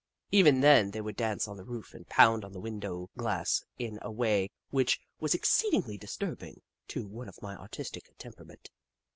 Even then, they would dance on the roof and pound on the window glass in a way which was exceedingly disturbing to one of my artistic temperament.